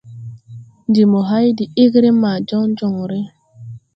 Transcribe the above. Ndi mo hay de egre ma jɔnjɔŋre.